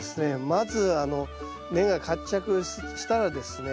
まず根が活着したらですね